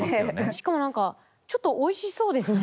しかも何かちょっとおいしそうですね。